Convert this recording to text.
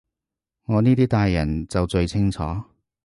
我呢啲大人就最清楚